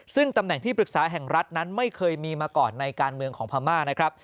ซึ่งตำแหน่งที่ปรึกษาแห่งรัฐนั้นไม่เคยมีมาก่อนในการเมืองของพม่านะครับ